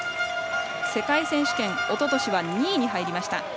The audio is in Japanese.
世界選手権おととしは２位に入りました。